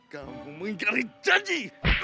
kamu mengingatkan janji